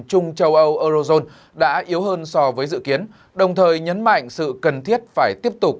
trung châu âu eurozone đã yếu hơn so với dự kiến đồng thời nhấn mạnh sự cần thiết phải tiếp tục